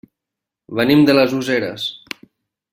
Venim de les Useres.